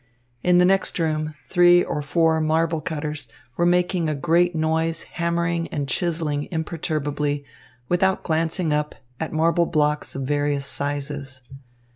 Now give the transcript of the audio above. In the next room, three or four marble cutters were making a great noise hammering and chiselling imperturbably, without glancing up, at marble blocks of various sizes.